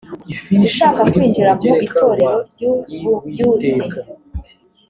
ushaka kwinjira mu itorero ry’ ububyutse